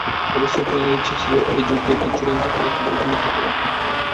আবু সুফিয়ানের ইচ্ছা ছিল, এ যুদ্ধে একটি চূড়ান্ত ফলাফলে উপনীত হওয়া।